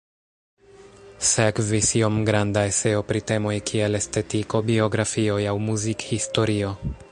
Sekvis iom granda eseo pri temoj kiel estetiko, biografioj aŭ muzikhistorio.